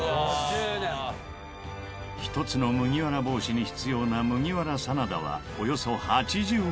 １つの麦わら帽子に必要な麦わら真田はおよそ８０ｍ